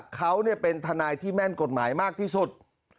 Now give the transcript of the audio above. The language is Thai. เขาเป็นทนายที่แม่นกฎหมายมากที่สุด